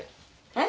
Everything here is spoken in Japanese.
えっ？